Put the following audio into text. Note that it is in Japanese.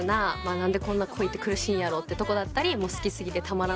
何でこんな恋って苦しいんやろってとこだったり好き過ぎてたまらないって